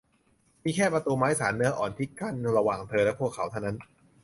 มีแค่ประตูไม้สานเนื้ออ่อนที่กั้นระหว่างเธอและพวกเขาเท่านั้น